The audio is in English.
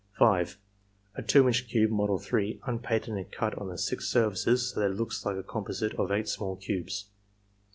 (5) A 2 inch cube (model 3), unpainted and cut on the six surfaces so that it looks like a composite of eight small cubes.